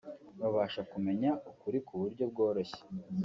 babasha kumenya ukuri ku buryo bworoshye